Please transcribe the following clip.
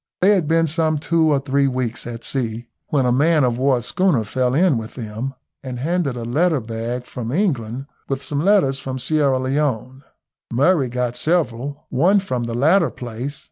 They had been some two or three weeks at sea, when a man of war schooner fell in with them, and handed a letter bag from England, with some letters from Sierra Leone. Murray got several. One from the latter place.